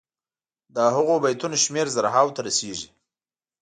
د هغو بیتونو شمېر زرهاوو ته رسيږي.